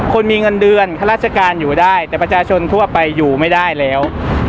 คนมีเงินเดือนข้าราชการอยู่ได้แต่ประชาชนทั่วไปอยู่ไม่ได้แล้ว